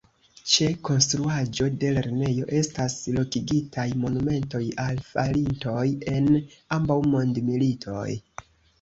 Ĉe konstruaĵo de lernejo estas lokigitaj monumentoj al falintoj en ambaŭ mondmilitoj.